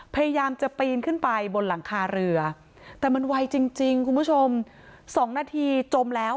พยายามจะปีนขึ้นไปบนหลังคาเรือแต่มันไวจริงคุณผู้ชมสองนาทีจมแล้ว